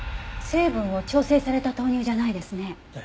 成分を調整された豆乳じゃないですね。